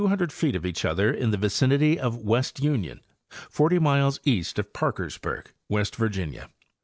to be within 200 feet of each other in the vicinity of West Union, forty miles east of Parkersburg, West Virginia.